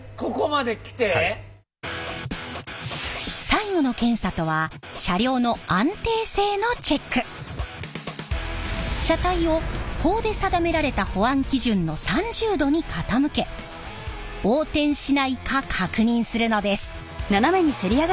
最後の検査とは車体を法で定められた保安基準の３０度に傾け横転しないか確認するのです。